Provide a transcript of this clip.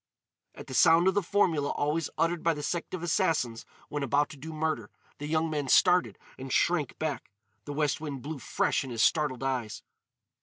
At the sound of the formula always uttered by the sect of Assassins when about to do murder, the young man started and shrank back. The west wind blew fresh in his startled eyes.